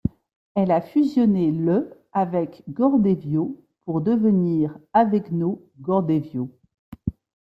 Elle a fusionné le avec Gordevio pour devenir Avegno Gordevio.